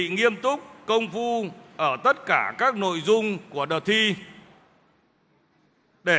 nghiêm túc công phu ở tất cả các nội dung của đợt thi để